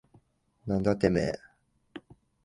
なんだてめえ。